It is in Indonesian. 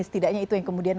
setidaknya itu yang kemudian